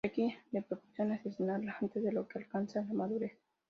Kerrigan les propone asesinarla antes de que alcance la madurez.